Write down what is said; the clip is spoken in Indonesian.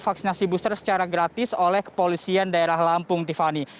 vaksinasi booster secara gratis oleh kepolisian daerah lampung tiffany